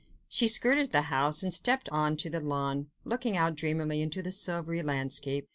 She skirted the house, and stepped on to the lawn, looking out dreamily into the silvery landscape.